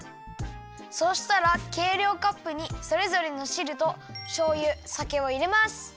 そうしたらけいりょうカップにそれぞれのしるとしょうゆさけをいれます。